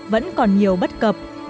vẫn còn nhiều bất cập